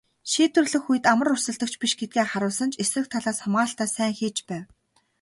Шийдвэрлэх үед амар өрсөлдөгч биш гэдгээ харуулсан ч эсрэг талаас хамгаалалтаа сайн хийж байв.